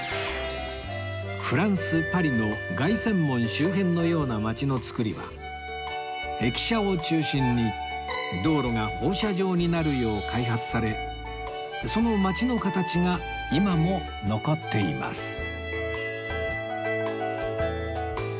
フランスパリの凱旋門周辺のような街のつくりは駅舎を中心に道路が放射状になるよう開発されその街の形が今も残っています